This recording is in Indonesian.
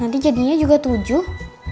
nanti jadinya juga tujuh